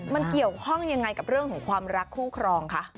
มันเกี่ยวข้องยังไงกับเรื่องของความรักคู่ครองคะ